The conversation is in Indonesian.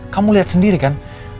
kamu liat sendiri kan